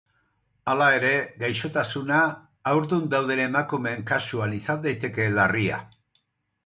Hala ere, gaixotasuna haurdun dauden emakumeen kasuan izan daiteke larria.